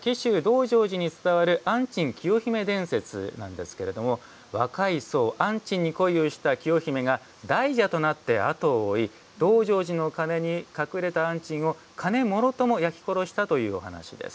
これは前提となるのは紀州・道成寺に伝わる安珍・清姫伝説なんですけれども若い僧安珍に恋をした清姫が大蛇となって後を追い道成寺の鐘に隠れた安珍を鐘もろとも焼き殺したというお話です。